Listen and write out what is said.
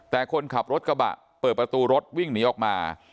แต่คนขับรถกระบะเปิดประตูรถวิ่งหนีออกมา